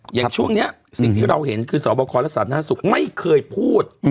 อย่างช่วงนี้สิ่งที่เราเห็นคือสอบคอและสาธารณสุขไม่เคยพูด